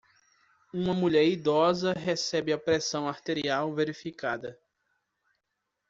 Uma mulher idosa recebe a pressão arterial verificada.